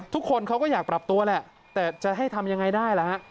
ทุกคนเขาก็อยากปรับตัวแหละแต่จะให้ทำยังไงได้ล่ะฮะ